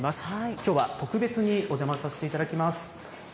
きょうは特別にお邪魔させていただきます。